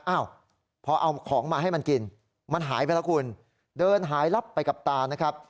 อ้าวพอเอาของมาให้มันกินมันหายไปแล้วคุณเดินหายลับไปกับตานะครับ